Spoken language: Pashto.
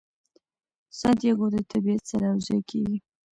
سانتیاګو د طبیعت سره یو ځای کیږي.